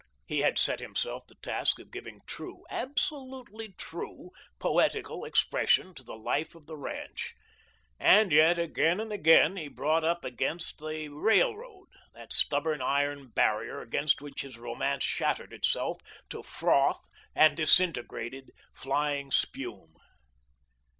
He had set himself the task of giving true, absolutely true, poetical expression to the life of the ranch, and yet, again and again, he brought up against the railroad, that stubborn iron barrier against which his romance shattered itself to froth and disintegrated, flying spume.